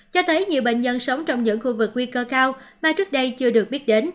cho thấy nhiều bệnh nhân sống trong những khu vực nguy cơ cao mà trước đây chưa được biết đến